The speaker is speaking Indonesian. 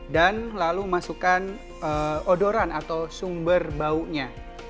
dan lalu masukkan odoran atau sumber baunya